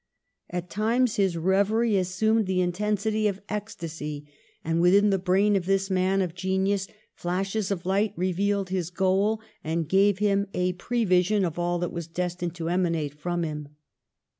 At times his reverie assumed the intensity of ecs tacy; and within the brain of this man of genius flashes of light revealed his goal, and gave him a prevision of ail that was destined to emanate from him.